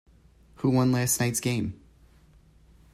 Who won last night's game?